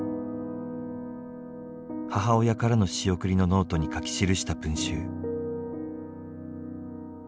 母親からの仕送りのノートに書き記した文集。